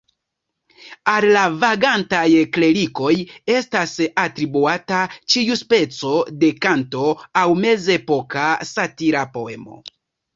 Al la "vagantaj klerikoj" estas atribuata ĉiu speco de kanto aŭ mezepoka satira poemo.